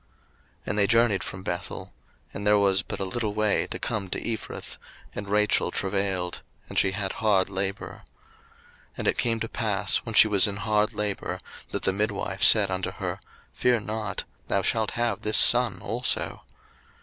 01:035:016 And they journeyed from Bethel; and there was but a little way to come to Ephrath: and Rachel travailed, and she had hard labour. 01:035:017 And it came to pass, when she was in hard labour, that the midwife said unto her, Fear not; thou shalt have this son also.